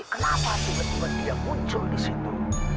kenapa tiba tiba dia muncul disitu